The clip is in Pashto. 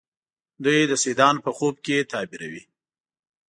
دوی د سیدانو په خوب کې تعبیروي.